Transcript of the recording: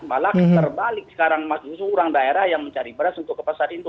malah terbalik sekarang justru orang daerah yang mencari beras untuk ke pasar induk